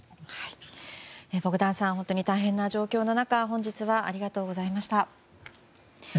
ボグダンさん大変な状況の中本日はありがとうございました。